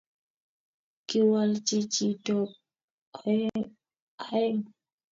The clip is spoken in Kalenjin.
kiwalchi chitob aeng